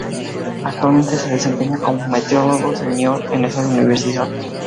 Actualmente se desempeña como meteorólogo senior en esa universidad.